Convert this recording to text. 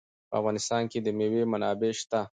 په افغانستان کې د مېوې منابع شته.